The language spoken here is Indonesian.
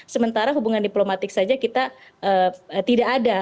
sementara hubungan diplomatik saja kita tidak ada